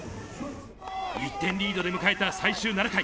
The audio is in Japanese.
１点リードで迎えた最終７回。